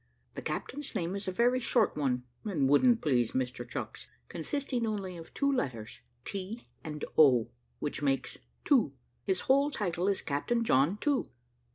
The captain's name is a very short one, and wouldn't please Mr Chucks, consisting only of two letters, T and O, which makes, To; his whole title is Captain John To.